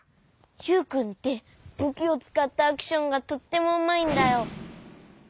ユウくんってぶきをつかったアクションがとってもうまいんだよ。